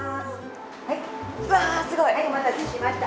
うわすごい！お待たせしました。